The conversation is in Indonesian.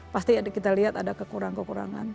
pasti kita lihat ada kekurangan kekurangan